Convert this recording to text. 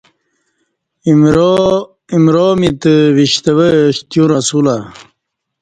امرامی تہ وشتویاش تیو رسولہ